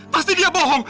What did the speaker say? pasti dia bohong